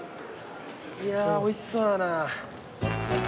いやおいしそうだな。